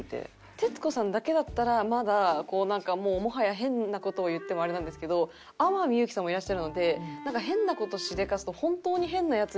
徹子さんだけだったらまだもはや変な事を言ってもあれなんですけど天海祐希さんもいらっしゃるのでなんか変な事をしでかすと。